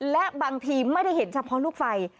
และบางทีไม่ได้เห็นเฉพาะลูกไฟ